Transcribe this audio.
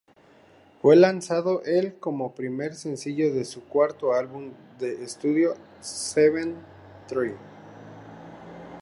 Fue lanzado el como primer sencillo de su cuarto álbum de estudio Seventh Tree.